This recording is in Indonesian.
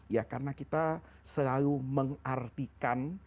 ya karena kita selalu mengartikan